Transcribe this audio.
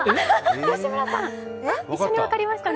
吉村さん、一緒に分かりましたね。